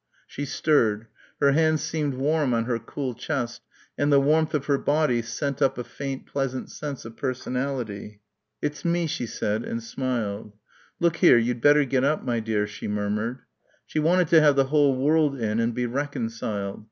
She stirred; her hands seemed warm on her cool chest and the warmth of her body sent up a faint pleasant sense of personality. "It's me," she said, and smiled. "Look here, you'd better get up, my dear," she murmured. She wanted to have the whole world in and be reconciled.